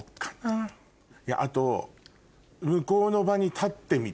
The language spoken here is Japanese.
あと。